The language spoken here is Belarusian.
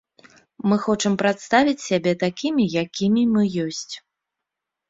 Мы хочам прадставіць сябе такімі, якімі мы ёсць.